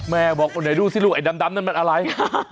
แม่บอกไหนดูสิลูกไอ้ดำนั่นมันอะไร